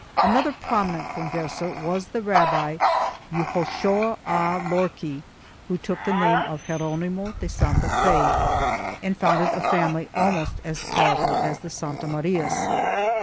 1 Another prominent Converse was the Rabbi Jehoshua Ha Lorqui, who took the name of Geronimo de Santafe and founded a family almost as powerful as the Santa Marias.